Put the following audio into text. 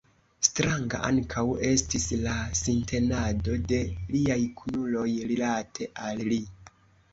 Stranga ankaŭ estis la sintenado de liaj kunuloj rilate al li.